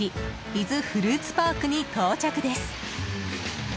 伊豆フルーツパークに到着です。